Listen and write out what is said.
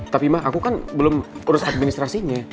tapi mah aku kan belum urus administrasinya